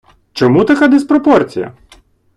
Чому така диспропорція?